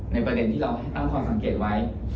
ในประเด็นที่เราต้องสังเกตไว้